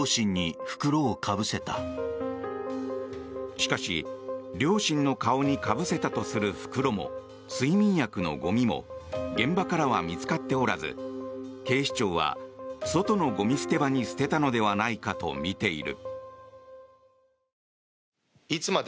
しかし、両親の顔にかぶせたとする袋も睡眠薬のゴミも現場からは見つかっておらず警視庁は、外のゴミ捨て場に捨てたのではないかとみている。